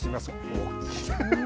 大きい。